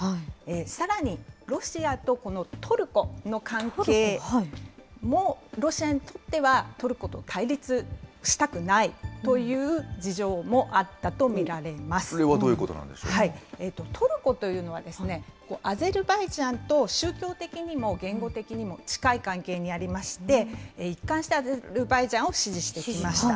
さらに、ロシアとこのトルコの関係も、ロシアにとってはトルコと対立したくないという事情もあったと見それはどういうことなんでしトルコというのはですね、アゼルバイジャンと宗教的にも言語的にも近い関係にありまして、一貫してアゼルバイジャンを支持してきました。